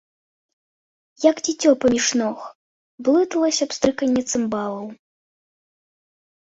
Як дзіцё паміж ног, блыталася пстрыканне цымбалаў.